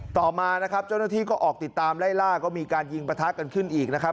ต่อมานะครับเจ้าหน้าที่ก็ออกติดตามไล่ล่าก็มีการยิงประทะกันขึ้นอีกนะครับ